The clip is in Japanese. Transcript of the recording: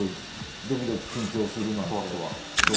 ドキドキ、緊張するなんて。